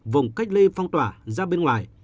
vùng cách ly phong tỏa ra bên ngoài